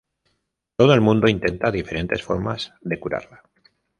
Todo el mundo intenta diferentes formas de curarla.